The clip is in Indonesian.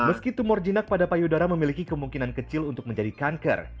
meski tumor jinak pada payudara memiliki kemungkinan kecil untuk menjadi kanker